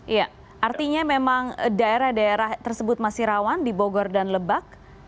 iya artinya memang daerah daerah tersebut masih rawan di bogor dan lebak